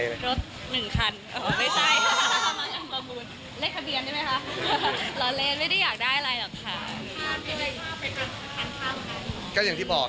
รถหนึ่งคันอ่ะไม่ใช่นะครับ